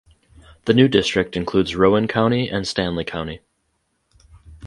The new district includes Rowan County and Stanly County.